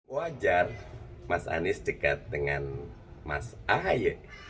wajar mas anies dekat dengan mas ahaye